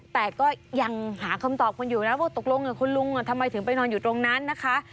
แต่ก็ยังหาคำตอบกันอยู่นะว่าตกลงคุณลุงทำไมถึงไปนอนอยู่ตรงนั้นนะคะ